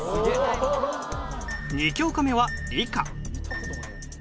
２教科目は理科。